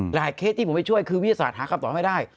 หลายเคสที่ไม่ช่วยคือวิทยาศาสตร์หาคำตอบให้ไม่ได้